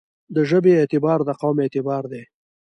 د ژبې اعتبار دقوم اعتبار دی.